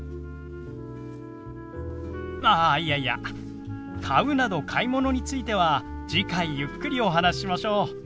ああいやいや「買う」など買い物については次回ゆっくりお話ししましょう。